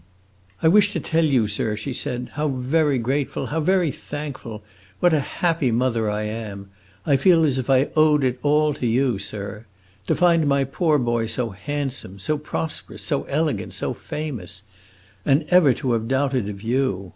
"I wish to tell you, sir," she said, "how very grateful how very thankful what a happy mother I am! I feel as if I owed it all to you, sir. To find my poor boy so handsome, so prosperous, so elegant, so famous and ever to have doubted of you!